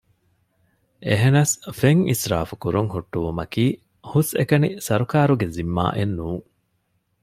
އެހެނަސް ފެން އިސްރާފުކުރުން ހުއްޓުވުމަކީ ހުސްއެކަނި ސަރުކާރުގެ ޒިންމާއެއް ނޫން